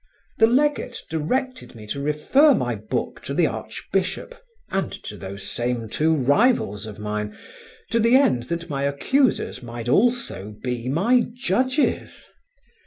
The legate directed me to refer my book to the archbishop and to those same two rivals of mine, to the end that my accusers might also be my judges.